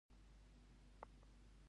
د افغانستان اوبه ولې خوږې دي؟